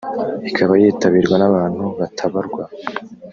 ikaba yitabirwa n’abantu batabarwa